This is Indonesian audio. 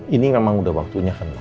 ini memang udah waktunya kan pak